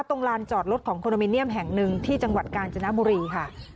ลานจอดรถของคอนโดมิเนียมแห่งหนึ่งที่จังหวัดกาญจนบุรีค่ะ